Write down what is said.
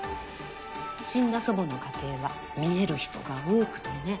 死んだ祖母の家系は見える人が多くてね。